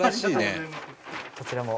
こちらも。